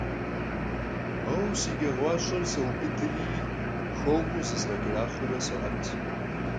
Moue si ç'e khuaş'er soubıdri xuemu zızğeç'eraxhueure so'et.